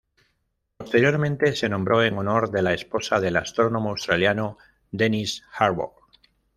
Posteriormente se nombró en honor de la esposa del astrónomo australiano Dennis Harwood.